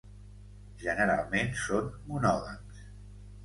Generalment són monògams.